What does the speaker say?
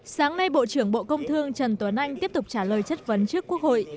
sáng nay bộ trưởng bộ công thương trần tuấn anh tiếp tục trả lời chất vấn trước quốc hội